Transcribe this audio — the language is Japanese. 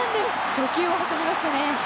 初球を運びましたね。